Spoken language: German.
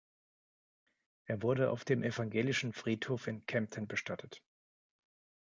Er wurde auf dem Evangelischen Friedhof in Kempten bestattet.